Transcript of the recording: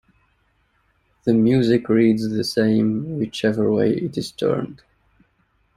The music reads the same whichever way it is turned.